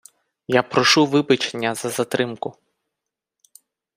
Я прошу вибачення за затримку!